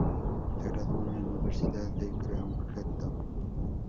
Se graduó de la Universidad de Georgetown.